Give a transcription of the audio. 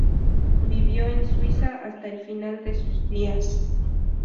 Vivió en Suiza hasta el final de sus días.